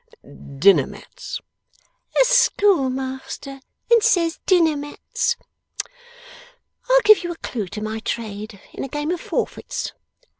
'Dinner mats?' 'A schoolmaster, and says dinner mats! I'll give you a clue to my trade, in a game of forfeits.